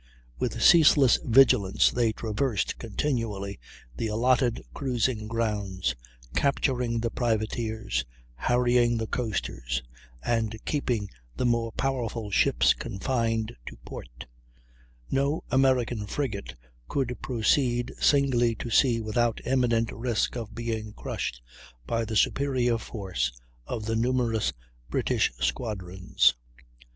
With ceaseless vigilance they traversed continually the allotted cruising grounds, capturing the privateers, harrying the coasters, and keeping the more powerful ships confined to port; "no American frigate could proceed singly to sea without imminent risk of being crushed by the superior force of the numerous British squadrons."